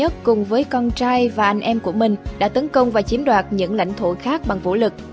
đất cùng với con trai và anh em của mình đã tấn công và chiếm đoạt những lãnh thổ khác bằng vũ lực